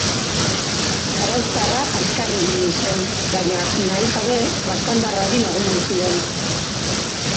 Zarauztarra azkar ibili zen, baina, nahi gabe, baztandarrari lagundu zion.